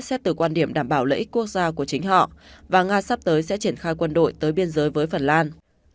xét từ quan điểm đảm bảo lợi ích quốc gia của chính họ và nga sắp tới sẽ triển khai quân đội tới biên giới với phần lan